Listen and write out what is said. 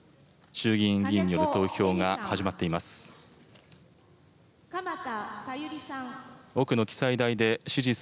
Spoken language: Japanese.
衆議院議員による投票が始まっています。